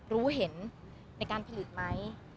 รู้เห็นในการผลิตไหม